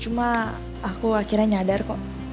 cuma aku akhirnya nyadar kok